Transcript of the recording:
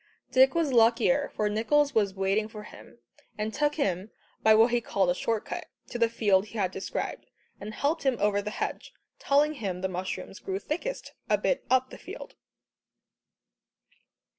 Dick was luckier, for Nicholls was waiting for him, and took him by what he called a short cut, to the field he had described, and helped him over the hedge, telling him the mushrooms grew thickest "a bit up the field."